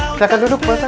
silahkan duduk pak ustadz